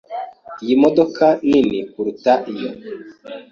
Iyi modoka nini kuruta iyo.